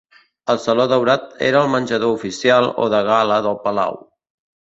El saló daurat era el menjador oficial o de gala del palau.